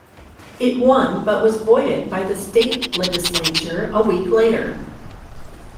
It won but was voided by the State Legislature a week later.